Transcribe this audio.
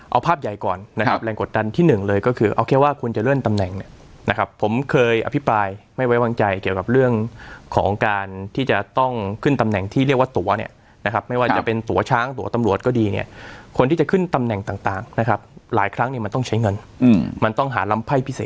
เอาภาพใหญ่ก่อนนะครับแรงกดดันที่หนึ่งเลยก็คือเอาแค่ว่าคุณจะเลื่อนตำแหน่งเนี่ยนะครับผมเคยอภิปรายไม่ไว้วางใจเกี่ยวกับเรื่องของการที่จะต้องขึ้นตำแหน่งที่เรียกว่าตัวเนี่ยนะครับไม่ว่าจะเป็นตัวช้างตัวตำรวจก็ดีเนี่ยคนที่จะขึ้นตำแหน่งต่างนะครับหลายครั้งเนี่ยมันต้องใช้เงินมันต้องหาลำไพ่พิเศษ